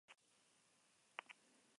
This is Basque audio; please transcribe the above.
Hor bizi da nire erasotzailea.